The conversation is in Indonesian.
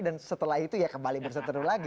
dan setelah itu ya kembali berseteru lagi